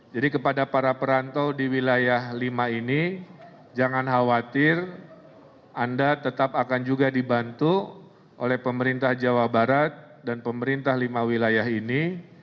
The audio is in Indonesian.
jadi kepada para perantau di wilayah lima ini jangan khawatir anda tetap akan juga dibantu oleh pemerintah jawa barat dan pemerintah lima wilayah ini